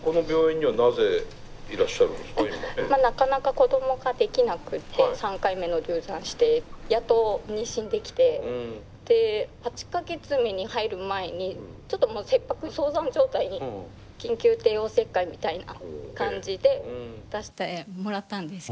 なかなか子供ができなくって３回目の流産してやっと妊娠できてで８か月目に入る前にちょっと切迫早産状態に緊急帝王切開みたいな感じで出してもらったんですけど。